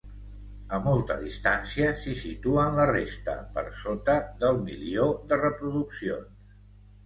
A molta distància, s’hi situen la resta, per sota del milió de reproduccions.